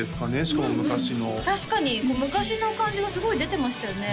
しかも昔の確かに昔の感じがすごい出てましたよね